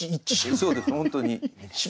そうです本当に。